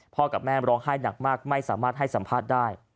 กับแม่ร้องไห้หนักมากไม่สามารถให้สัมภาษณ์ได้